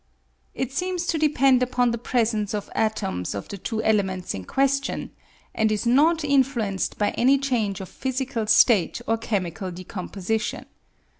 It seems to depend upon the presence of atoms of the two elements in question, and is not influenced by any change of physical state or chemical decomposition.